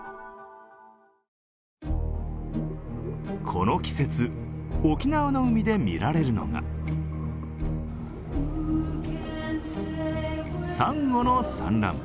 この季節、沖縄の海で見られるのがさんごの産卵。